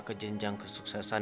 ke jenjang kesuksesan